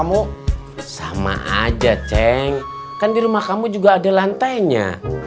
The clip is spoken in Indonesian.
kamu sama aja ceng kan di rumah kamu juga ada lantainya